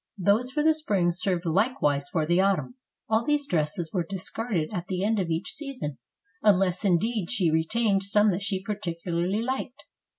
Those for the spring served likewise for the autumn. All these dresses were discarded at the end of each season, unless indeed she retained some that she particularly liked.